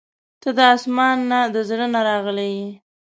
• ته د اسمان نه، د زړه نه راغلې یې.